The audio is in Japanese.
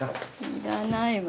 いらないわ。